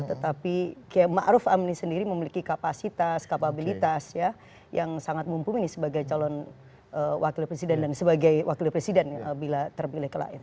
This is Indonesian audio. tetapi kiai ⁇ maruf ⁇ amin sendiri memiliki kapasitas kapabilitas yang sangat mumpuni sebagai calon wakil presiden dan sebagai wakil presiden bila terpilih ke lain